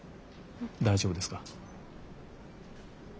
大丈夫ですか？